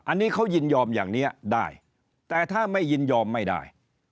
อันนี้เขายินยอมอย่างนี้ได้แต่ถ้าไม่ยินยอมไม่ได้